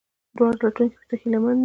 دوی راتلونکي ته هیله مند دي.